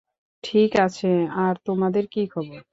ঠিক আছে, আর তোমার কী খবর?